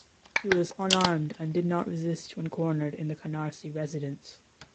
He was unarmed and did not resist when cornered in the Canarsie residence.